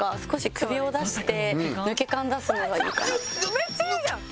めっちゃ言うじゃん！